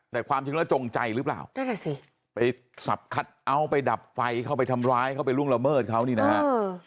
แต่ความจริงแล้วจงใจหรือเปล่านั่นแหละสิไปสับคัทเอาท์ไปดับไฟเข้าไปทำร้ายเข้าไปล่วงละเมิดเขานี่นะฮะ